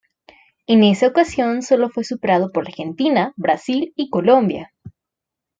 En esa ocasión, solo fue superado por Argentina, Brasil y Colombia.